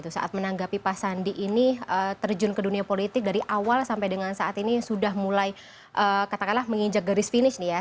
saat menanggapi pak sandi ini terjun ke dunia politik dari awal sampai dengan saat ini sudah mulai katakanlah menginjak garis finish nih ya